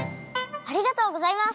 ありがとうございます！